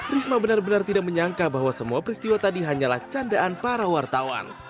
risma benar benar tidak menyangka bahwa semua peristiwa tadi hanyalah candaan para wartawan